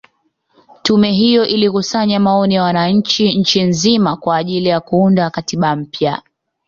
Tume hiyo ilikusanya maoni ya wananchi nchi nzima kwa ajili ya kuunda katiba mpya